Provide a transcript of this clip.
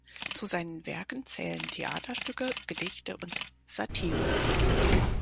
Zu seinen Werken zählen Theaterstücke, Gedichte und Satiren.